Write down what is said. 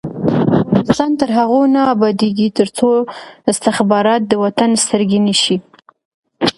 افغانستان تر هغو نه ابادیږي، ترڅو استخبارات د وطن سترګې نشي.